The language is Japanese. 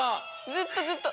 ずっとずっと。